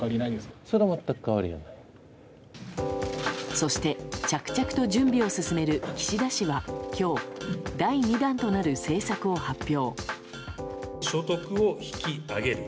そして着々と準備を進める岸田氏は今日、第２弾となる政策を発表。